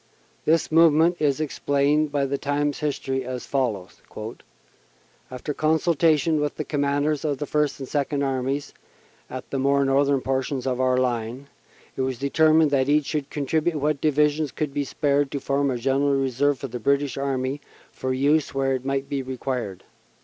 This movement is explained by the Times History as follows: "After consultation with the Commanders of the First and Second Armies at the more northern portions of our line, it was determined that each should contribute what divisions could be spared to form a General Reserve for the British Army for use where it might be required.